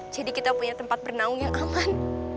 jadi kita punya tempat berenang yang aman